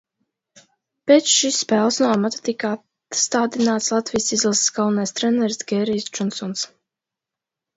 Pēc šīs spēles no amata tika atstādināts Latvijas izlases galvenais treneris Gērijs Džonsons.